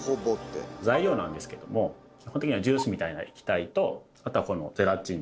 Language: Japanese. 材料なんですけれども基本的にはジュースみたいな液体とあとはこの「ゼラチン」。